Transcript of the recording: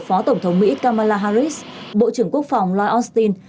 phó tổng thống mỹ kamala harris bộ trưởng quốc phòng loi austin